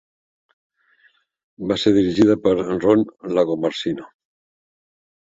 Va ser dirigida per Ron Lagomarsino.